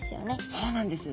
そうなんです。